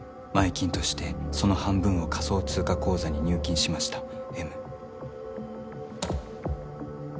「前金としてその半分を仮想通貨口座に入金しましたＭ」